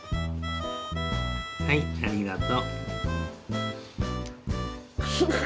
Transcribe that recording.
はいありがと。